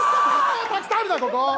たくさんあるな、ここ。